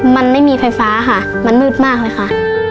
มันไม่มีไฟฟ้าค่ะมันมืดมากเลยค่ะ